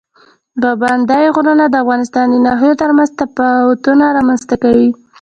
پابندی غرونه د افغانستان د ناحیو ترمنځ تفاوتونه رامنځ ته کوي.